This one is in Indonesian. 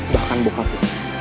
bahkan bokap lo